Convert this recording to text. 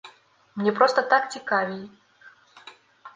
Мне проста так цікавей.